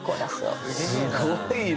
すごいな！